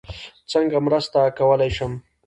څنګه مرسته کوی شم؟